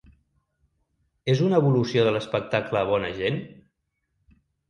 És una evolució de l’espectacle Bona gent?